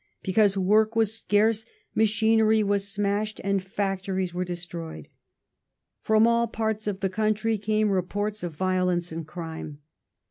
Because work was scarce, machinery was smashed and factories were destroyed. From all parts of the country came reports of violence and crime.